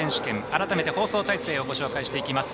改めて放送体制をご紹介します。